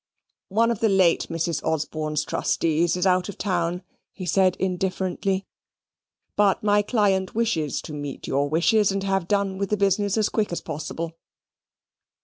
"One of the late Mrs. Osborne's trustees is out of town," he said indifferently, "but my client wishes to meet your wishes, and have done with the business as quick as possible."